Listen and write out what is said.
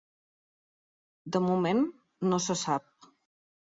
De moment, no se sap.